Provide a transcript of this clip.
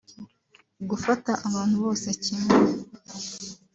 gufata abantu bose kimwe